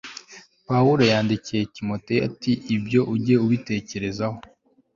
pawulo yandikiye timoteyo ati “ ibyo ujye ubitekerezaho